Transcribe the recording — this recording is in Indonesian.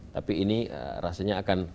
tapi ini rasanya akan